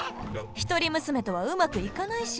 一人娘とはうまくいかないし。